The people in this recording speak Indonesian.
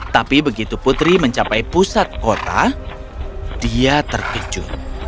tapi begitu putri mencapai pusat kota dia terkejut